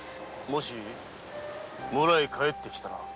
もし村へ帰ってきたら。